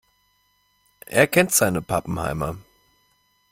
Er kennt seine Pappenheimer.